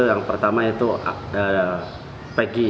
yang pertama itu peggy